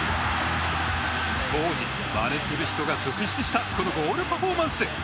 当時、まねする人が続出したこのゴールパフォーマンス。